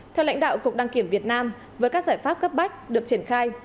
theo lãnh đạo cục đăng kiểm việt nam với các giải pháp cấp bách được triển khai